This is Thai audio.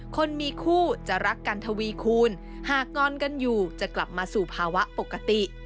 คนมีคู่จะรักกันทวีคูณหากงอนกันอยู่จะกลับมาสู่ภาวะปกติ